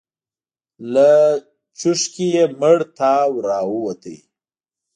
له څوښکي يې مړ تاو راووت.